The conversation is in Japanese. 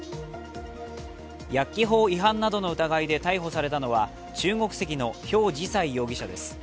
薬機法違反などの疑いで逮捕されたのは中国籍のヒョウ・ジサイ容疑者です